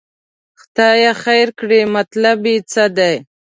خدای خیر کړي، مطلب یې څه دی.